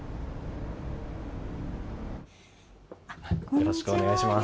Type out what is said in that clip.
よろしくお願いします。